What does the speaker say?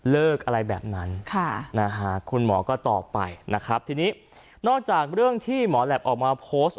อะไรแบบนั้นคุณหมอก็ตอบไปนะครับทีนี้นอกจากเรื่องที่หมอแหลปออกมาโพสต์